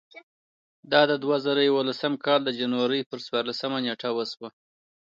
دا د دوه زره یولسم کال د جنورۍ پر څوارلسمه نېټه وشوه.